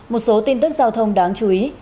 một số tin tức giao thông đáng chú ý